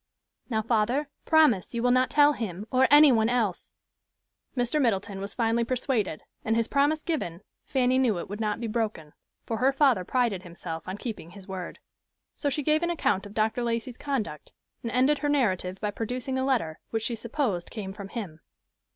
Now, father, promise you will not tell him or any one else." Mr. Middleton was finally persuaded, and his promise given, Fanny knew it would not be broken, for her father prided himself on keeping his word. So she gave an account of Dr. Lacey's conduct, and ended her narrative by producing a letter, which she supposed came from him.